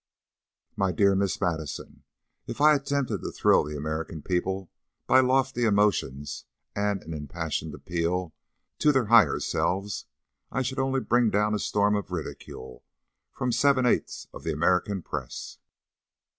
"My dear Miss Madison, if I attempted to thrill the American people by lofty emotions and an impassioned appeal to their higher selves, I should only bring down a storm of ridicule from seven eighths of the American press.